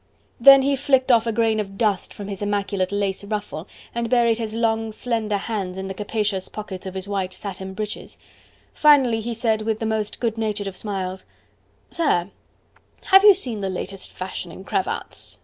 Then he flicked off a grain of dust from his immaculate lace ruffle and buried his long, slender hands in the capacious pockets of his white satin breeches; finally he said with the most good natured of smiles: "Sir, have you seen the latest fashion in cravats?